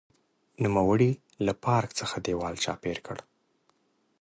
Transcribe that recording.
نوموړي له پارک څخه دېوال چاپېر کړ.